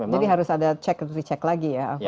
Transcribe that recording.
jadi harus ada check and recheck lagi ya